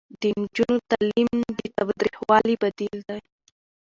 د نجونو تعلیم د تاوتریخوالي بدیل دی.